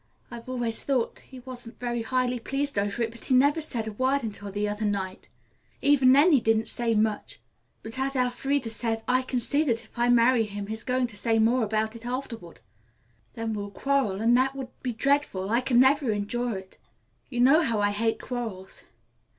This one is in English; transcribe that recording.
I've always thought he wasn't very highly pleased over it, but he never said a word until the other night. Even then he didn't say much. But, as Elfreda says, 'I can see' that if I marry him he's going to say more about it afterward. Then we'll quarrel and that would be dreadful. I could never endure it. You know how I hate quarrels.